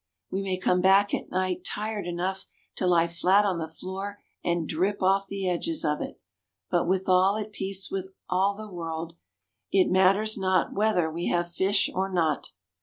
We may come back at night tired enough to lie flat on the floor and "drip off the edges" of it, but withal at peace with all the world it matters not whether we have fish or not.